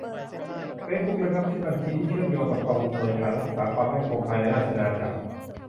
เฟซบุ๊กระงับบัญชีที่เชื่อมโยงกับ กองอำนวยการรักษาความมั่นคงภายในราชอาณาจักร